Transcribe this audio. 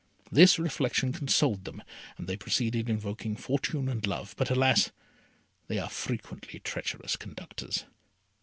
This reflection consoled them, and they proceeded, invoking Fortune and Love; but, alas! they are frequently treacherous conductors.